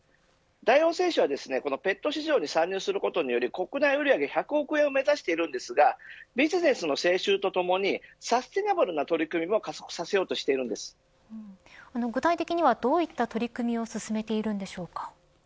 大王製紙はこのペット市場に参入することによる国内売り上げ１００億円を目指しているんですがビジネスの成長とともにサステイナブルな取り組みを具体的にはどういった取り組みを進めているんでしょうか。